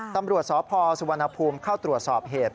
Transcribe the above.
ตำรวจสพสุวรรณภูมิเข้าตรวจสอบเหตุ